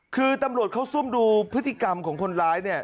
คือตำรวจเขาซุ่มดูพฤติกรรมของคนร้ายเนี่ย